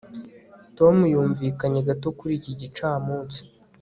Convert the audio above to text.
tom yumvikanye gato kuri iki gicamunsi